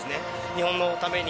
日本のために。